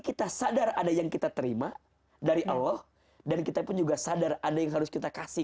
kita sadar ada yang kita terima dari allah dan kita pun juga sadar ada yang harus kita kasih